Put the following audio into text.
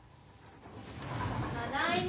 ・ただいま！